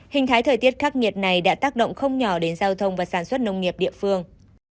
hình thái thời tiết khắc nghiệt này đã tác động không nhỏ đến giao thông và sản xuất nông nghiệp địa phương